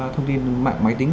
thông tin mạng máy tính